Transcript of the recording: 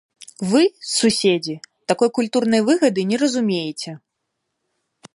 Вы, суседзі, такой культурнай выгады не разумееце.